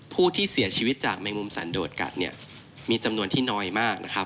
ผู้ที่เสียชีวิตจากแมงมุมสันโดดกัดมีจำนวนที่น้อยมาก